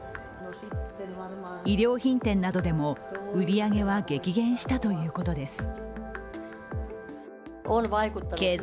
衣料品店などでも売り上げは激減したといいます。